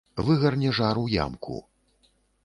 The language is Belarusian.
Выгарне жар у ямку.